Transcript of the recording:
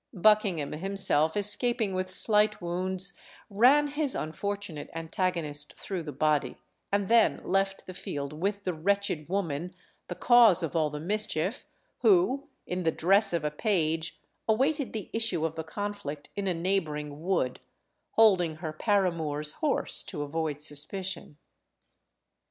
Buckingham himself escaping with slight wounds, ran his unfortunate antagonist through the body, and then left the field with the wretched woman, the cause of all the mischief, who, in the dress of a page, awaited the issue of the conflict in a neighbouring wood, holding her paramour's horse to avoid suspicion.